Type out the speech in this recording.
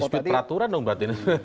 dispute peraturan dong mbak dino